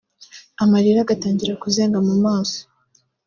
amarira agatangira kuzenga mu maso